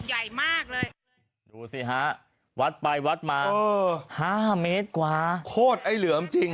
ใหญ่มากเลยดูสิฮะวัดไปวัดมาเออห้าเมตรกว่าโคตรไอ้เหลือมจริง